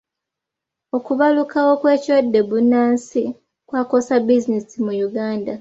Okubalukawo kw'ekirwadde bbunansi kwakosa bizinensi mu Uganda.